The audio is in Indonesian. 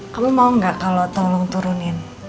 kamu mau nggak kalau tolong turunin